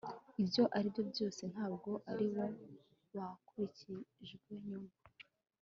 ibyo aribyo byose ntabwo ari wo wakurikijwe nyuma